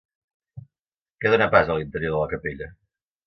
Què dona pas a l'interior de la capella?